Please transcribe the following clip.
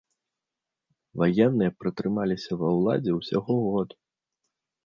Ваенныя пратрымаліся ва ўладзе ўсяго год.